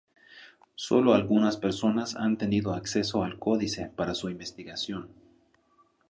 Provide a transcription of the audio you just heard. Solo algunas personas han tenido acceso al códice para su investigación.